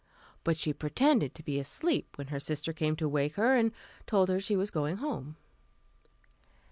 But she pretended to be asleep when her sister came to wake her and told her she was going home.